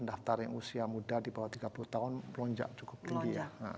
pendaftar yang usia muda di bawah tiga puluh tahun lonjak cukup tinggi